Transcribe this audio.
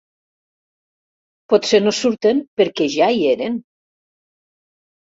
Potser no surten perquè ja hi eren!